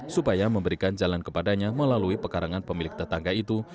supaya memberikan jalan kepadanya melalui pekarangan pemilik tetangga itu